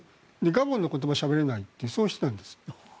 ガボンの言葉をしゃべれないというそういう人なんです。